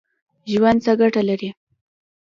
ژوند څه ګټه لري ؟